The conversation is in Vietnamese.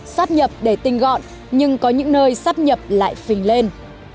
sắp nhập để tinh gọn nhưng có những nơi sắp nhập lại phình lên